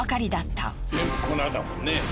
全部粉だもんね。